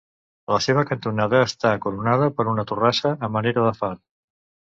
La seva cantonada està coronada per una torrassa a manera de far.